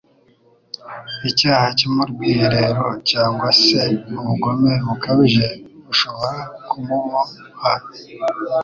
Icyaha cyo mu rwiherero cyangwa se ubugome bukabije bushobora kumuboha